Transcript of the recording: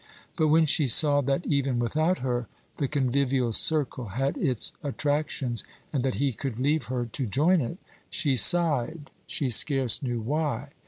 But when she saw that, even without her, the convivial circle had its attractions, and that he could leave her to join it, she sighed, she scarce knew why.